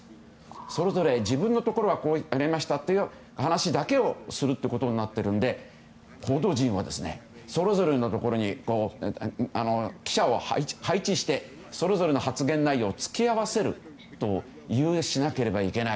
それぞれ、自分のところはこうなりましたという話だけをするということになっているので、報道陣はそれぞれのところに記者を配置してそれぞれの発言内容をつき合わせるということをしなければいけない。